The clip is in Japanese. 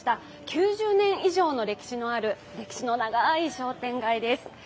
９０年以上の歴史がある歴史の長い商店街です。